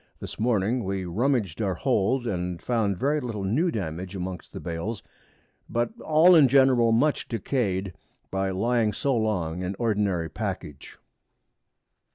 This Morning we rummaged our Hold, and found very little new Damage amongst the Bails, but all in general much decay'd by lying so long in ordinary Package.